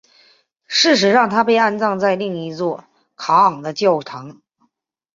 事实上她被安葬在另一座卡昂的教堂。